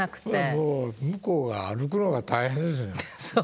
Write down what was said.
もう向こうが歩くのが大変ですね。